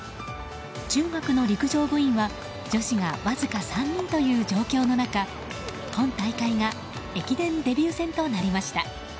中学の陸上部員は女子がわずか３人という状況の中、今大会が駅伝デビュー戦となりました。